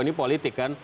ini politik kan